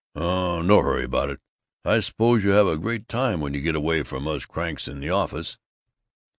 "Oh, no hurry about it.... I suppose you have a great time when you get away from us cranks in the office."